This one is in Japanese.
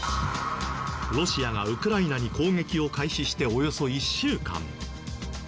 ロシアがウクライナに攻撃を開始しておよそ１週間。